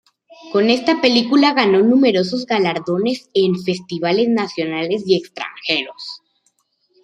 Con esta película ganó numerosos galardones en festivales nacionales y extranjeros.